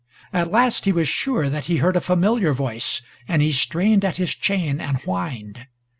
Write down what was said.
At last he was sure that he heard a familiar voice, and he strained at his chain and whined.